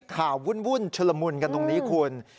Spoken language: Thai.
วุ่นชุลมุนกันตรงนี้คุณ